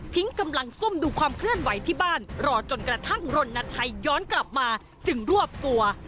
กำลังซุ่มดูความเคลื่อนไหวที่บ้านรอจนกระทั่งรณชัยย้อนกลับมาจึงรวบตัว